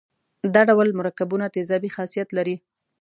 دا ډول مرکبونه تیزابي خاصیت لري.